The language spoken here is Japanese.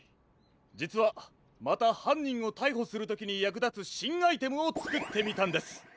じつはまたはんにんをたいほするときにやくだつしんアイテムをつくってみたんです！